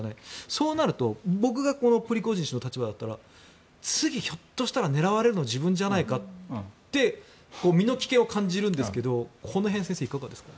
そうなると僕がこのプリゴジン氏の立場だったら次、ひょっとしたら狙われるのは自分じゃないかって身の危険を感じるんですがこの辺、先生はいかがですか。